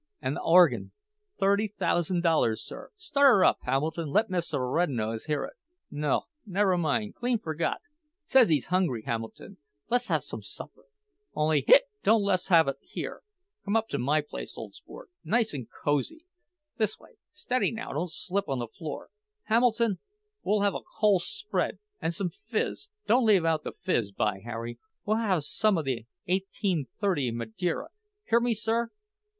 An' the organ—thirty thousan' dollars, sir—starter up, Hamilton, let Mr. Rednose hear it. No—never mind—clean forgot—says he's hungry, Hamilton—less have some supper. Only—hic—don't less have it here—come up to my place, ole sport—nice an' cosy. This way—steady now, don't slip on the floor. Hamilton, we'll have a cole spread, an' some fizz—don't leave out the fizz, by Harry. We'll have some of the eighteen thirty Madeira. Hear me, sir?"